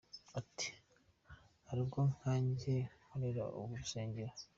Ati: Hari ubwo nkanjye nkorera mu rusengero.